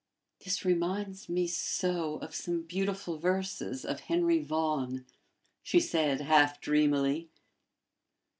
"This reminds me so of some beautiful verses of Henry Vaughan!" she said, half dreamily.